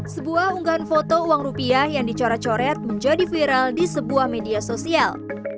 sebuah unggahan foto uang rupiah yang dicoret coret menjadi viral di sebuah media sosial